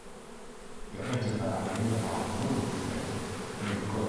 The edges that are neither half nor loose edges may be called ordinary edges.